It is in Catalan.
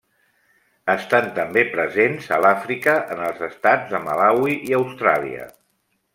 Estan també presents a l'Àfrica, en els estats de Malawi i Austràlia.